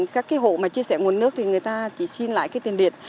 các hộ chia sẻ nguồn nước thì người ta chỉ xin lại tiền điện